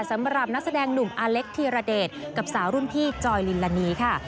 สำหรับนักแสดงหนุ่มอาเล็กธีรเดชกับสาวรุ่นพี่จอยลินลานีค่ะ